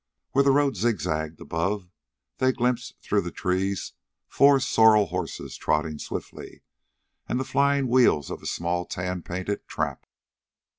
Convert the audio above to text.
Where the road zigzagged above, they glimpsed through the trees four sorrel horses trotting swiftly, and the flying wheels of a small, tan painted trap.